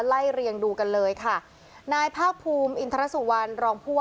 ไล่เรียงดูกันเลยค่ะนายภาคภูมิอินทรสุวรรณรองผู้ว่า